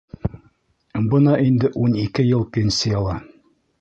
Бына инде ун ике йыл пенсияла!